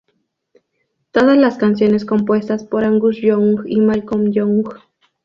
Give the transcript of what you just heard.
Todas las canciones compuestas por Angus Young y Malcolm Young.